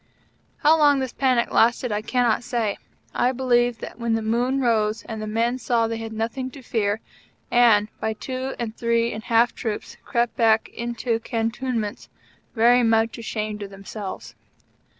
How long this panic lasted I cannot say. I believe that when the moon rose the men saw they had nothing to fear, and, by twos and threes and half troops, crept back into Cantonments very much ashamed of themselves.